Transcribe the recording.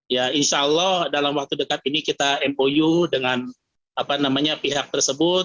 ya insya allah dalam waktu dekat ini kita mou dengan pihak tersebut